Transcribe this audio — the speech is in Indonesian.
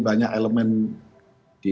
banyak elemen di